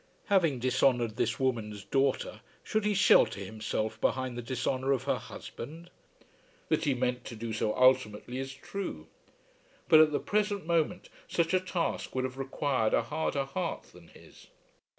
Having dishonoured this woman's daughter should he shelter himself behind the dishonour of her husband? That he meant to do so ultimately is true; but at the present moment such a task would have required a harder heart than his.